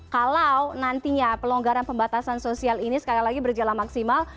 kalau nantinya pelonggaran pembatasan sosial ini sekali lagi berjalan maksimal